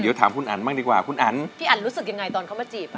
เดี๋ยวถามคุณอันบ้างดีกว่าคุณอันพี่อันรู้สึกยังไงตอนเขามาจีบอ่ะ